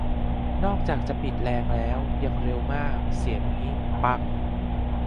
นอกจากจะปิดแรงแล้ว ยังเร็วมาก เสียงงี้ ปัง !